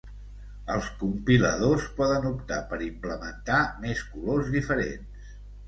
Els compiladors poden optar per implementar més colors diferents.